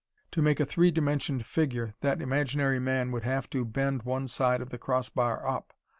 To make a three dimensioned figure, that imaginary man would have to bend one side of the cross bar up.